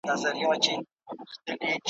په دې لاپو هسی ځان کرارومه `